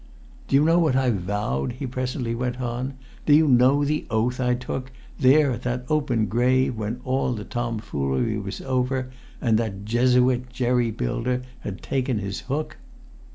"Do you know what I've vowed?" he presently went on. "Do you know the oath I took, there at that open grave, when all the tomfoolery was over, and that Jesuit jerry builder had taken his hook?"